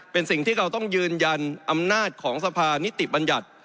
เป็นสิ่งที่เราต้องยืนยันอำนาจของสภานิติบัญญัติ